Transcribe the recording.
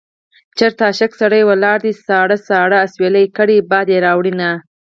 چېرته عاشق سړی ولاړ دی ساړه ساړه اسويلي کړي باد يې راوړينه